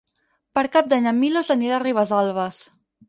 Per Cap d'Any en Milos anirà a Ribesalbes.